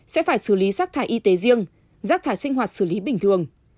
sẽ phải xử lý rác thải y tế riêng rác thải sinh hoạt xử lý bình thường